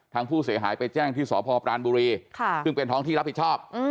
ทางผู้เสียหายไปแจ้งที่สพปรานบุรีซึ่งเป็นท้องที่รับผิดชอบ